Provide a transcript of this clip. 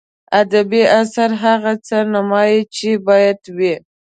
ادبي اثر هغه څه نمایي چې باید وي.